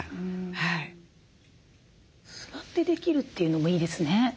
座ってできるというのもいいですね。